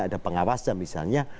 ada pengawasan misalnya